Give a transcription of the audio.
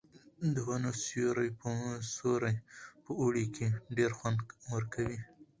د ونو سیوری په اوړي کې ډېر خوند ورکوي.